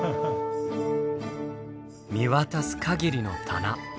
見渡す限りの棚。